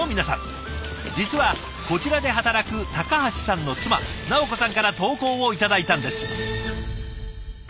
実はこちらで働く高橋さんの妻尚子さんから投稿を頂いたんです。